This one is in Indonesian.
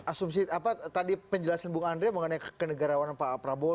asumsi apa tadi penjelasan bung andre mengenai kenegarawanan pak prabowo